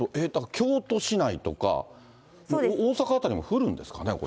京都市内とか大阪辺りも降るんですかね、これ。